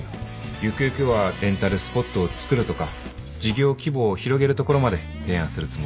ゆくゆくはレンタルスポットをつくるとか事業規模を広げるところまで提案するつもり。